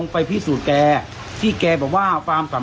พี่แกเนี่ยบอกอยากให้หมอปลา